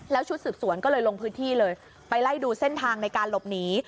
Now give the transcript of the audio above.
แล้วชุดสืบสวนก็เลยลงพื้นที่เลยไปไล่ดูเส้นทางในการหลบหนี